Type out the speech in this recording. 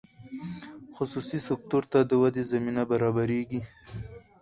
خصوصي سکتور ته د ودې زمینه برابریږي.